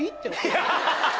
ハハハ